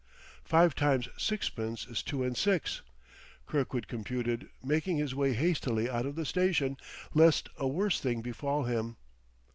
"Five times sixpence is two and six," Kirkwood computed, making his way hastily out of the station, lest a worse thing befall him.